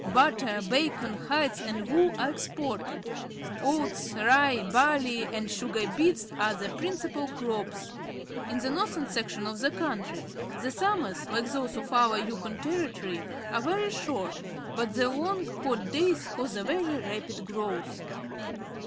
Butter, bacon, hides, and wool are exgorted. Oats, rye, barley^^ and sugar beets are the principal crops. In the north ern section of the country the summers, like those of our Yukon Territory, are very short, but the long, hot days cause a very rapid growth.